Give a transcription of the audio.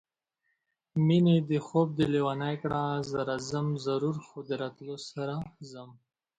مېنې دې خوب دې لېونی کړه زه راځم ضرور خو د راتلو سره ځم